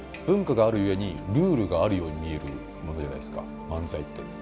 文化があるゆえにルールがあるように見えるものじゃないですか漫才って。